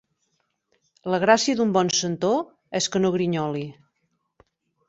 La gràcia d'un bon centó és que no grinyoli.